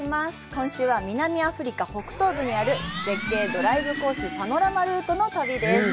今週は南アフリカ北東部にある絶景ドライブコース、パノラマルートの旅です。